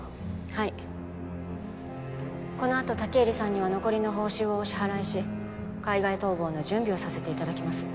はいこのあと武入さんには残りの報酬をお支払いし海外逃亡の準備をさせていただきます